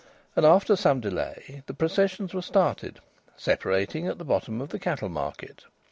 And after some delay the processions were started, separating at the bottom of the Cattle Market.